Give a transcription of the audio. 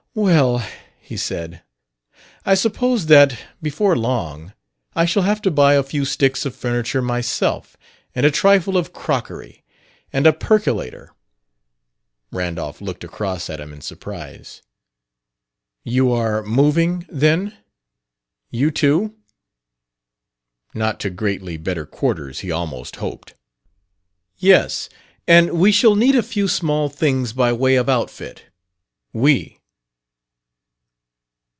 "Well," he said, "I suppose that, before long, I shall have to buy a few sticks of furniture myself and a trifle of 'crockery.' And a percolator." Randolph looked across at him in surprise. "You are moving, then, you too?" Not to greatly better quarters, he almost hoped. "Yes; and we shall need a few small things by way of outfit." "We."